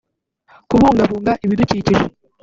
kubungabunga ibidukikije